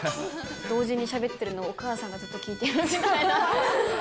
同時にしゃべってるのをお母さんがずっと聞いてるみたいな。